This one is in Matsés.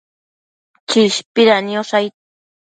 Chishpida niosh aid